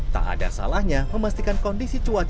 tak ada salahnya memastikan kondisi cuaca